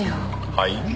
はい？